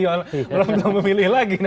belum memilih lagi